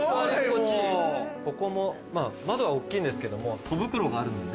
ここも窓は大っきいんですけども戸袋があるので。